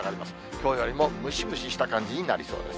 きょうよりもムシムシした感じになりそうです。